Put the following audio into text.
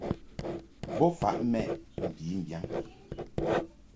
Bo faʼ mɛʼ mbi mbiyaŋ.